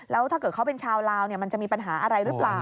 แล้วถ้าเกิดเขาเป็นชาวลาวมันจะมีปัญหาอะไรหรือเปล่า